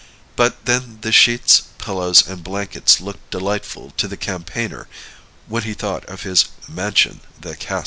But then the sheets, pillows, and blankets looked delightful to the campaigner, when he thought of his "mansion, the cask."